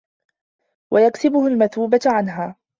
وَيُكْسِبُهُ الْمَثُوبَةَ عَنْهَا